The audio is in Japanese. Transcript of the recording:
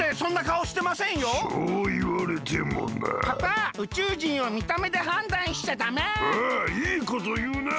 おいいこというなあ。